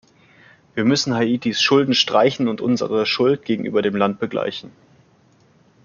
Wir müssen Haitis Schulden streichen und unsere Schuld gegenüber dem Land begleichen.